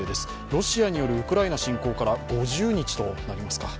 ロシアによるウクライナ侵攻から５０日となりますか。